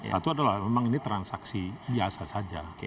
satu adalah memang ini transaksi biasa saja